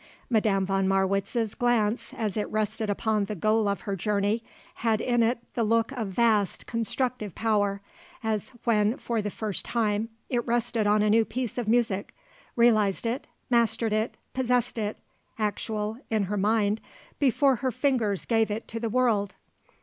Madame von Marwitz's glance, as it rested upon the goal of her journey, had in it the look of vast, constructive power, as when, for the first time, it rested on a new piece of music, realized it, mastered it, possessed it, actual, in her mind, before her fingers gave it to the world.